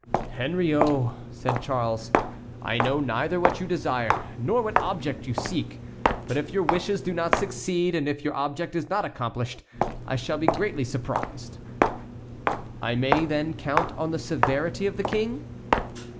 "Henriot," said Charles, "I know neither what you desire, nor what object you seek; but if your wishes do not succeed, and if your object is not accomplished, I shall be greatly surprised." "I may, then, count on the severity of the King?"